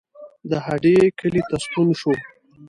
د هډې کلي ته ستون شو.